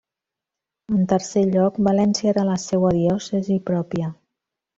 En tercer lloc, València era la seua diòcesi pròpia.